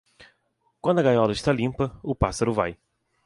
Quando a gaiola está limpa, o pássaro vai.